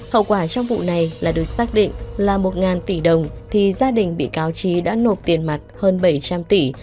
hậu quả trong vụ này lại được xác định là một tỷ đồng thì gia đình bị cáo trí đã nộp tiền mặt hơn bảy trăm linh tỷ